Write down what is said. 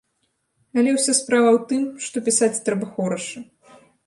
Але ўся справа ў тым, што пісаць трэба хораша.